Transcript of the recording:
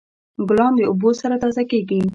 ګلان د اوبو سره تازه کیږي.